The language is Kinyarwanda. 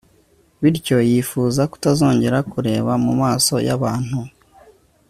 bityo yifuza kutazongera kureba mu maso yabantu